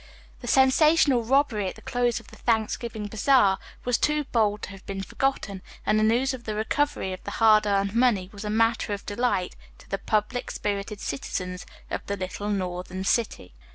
The sensational robbery at the close of the Thanksgiving bazaar was too bold to have been forgotten, and the news of the recovery of the hard earned money was a matter of delight to the public spirited citizens of the little northern city.